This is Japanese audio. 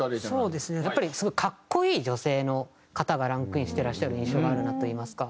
やっぱりすごい格好いい女性の方がランクインしてらっしゃる印象があるなといいますか。